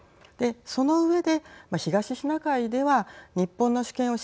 その上で東シナ海では日本の主権を